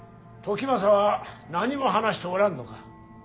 時政は何も話しておらんのか。